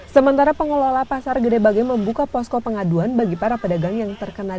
sementara pengelola pasar gede bage membuka posko pengaduan bagi para pedagang yang terkena